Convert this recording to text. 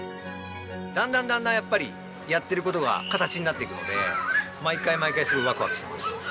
だんだんだんだんやっぱりやってる事が形になっていくので毎回毎回すごいワクワクしてました。